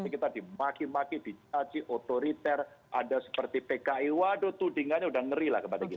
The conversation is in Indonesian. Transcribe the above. kita dimaki maki dicaci otoriter ada seperti pki waduh tudingannya udah ngeri lah kepada kita